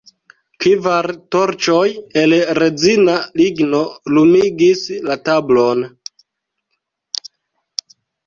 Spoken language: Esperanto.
Kvar torĉoj el rezina ligno lumigis la tablon.